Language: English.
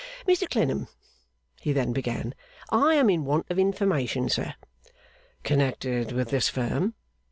'Mr Clennam,' he then began, 'I am in want of information, sir.' 'Connected with this firm?